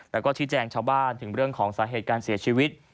แล้วก็ชี้แจงชาวบ้านถึงเรื่องของสาเหตุการเสียชีวิต